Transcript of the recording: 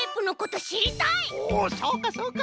おおそうかそうか。